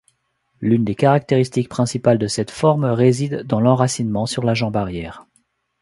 L'une des caractéristiques principales de cette forme réside dans l'enracinement sur la jambe arrière.